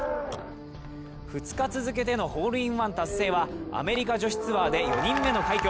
２日続けてのホールインワン達成はアメリカ女子ツアーで４人目の快挙。